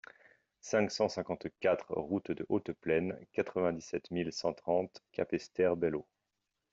cinq cent cinquante-quatre route de Haute Plaine, quatre-vingt-dix-sept mille cent trente Capesterre-Belle-Eau